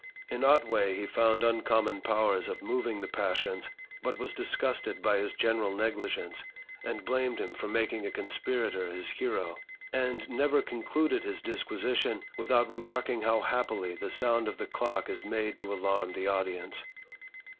In Otway he foimd uncommon powers of moving the passions, but was disgusted by his general negligence, and blamed him for making a conspirator his hero; and never con cluded his disquisition, without remarking how happily the sound of the clock is made to alarm the audience.